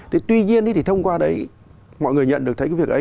thì tuy nhiên thì thông qua đấy mọi người nhận được cái việc ấy